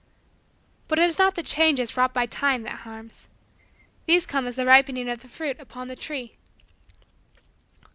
But it is not the changes wrought by time that harms. These come as the ripening of the fruit upon the tree.